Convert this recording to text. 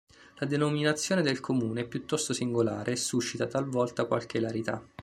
La denominazione del comune è piuttosto singolare e suscita, talvolta, qualche ilarità.